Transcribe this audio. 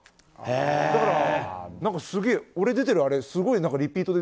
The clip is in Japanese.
だから、俺出てるあれすごいリピートで